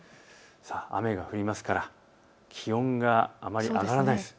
雨が降りますから気温があまり上がらない。